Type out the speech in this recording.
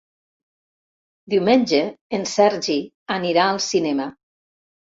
Diumenge en Sergi anirà al cinema.